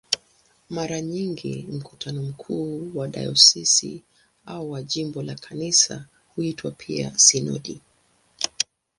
Mara nyingi mkutano mkuu wa dayosisi au wa jimbo la Kanisa huitwa pia "sinodi".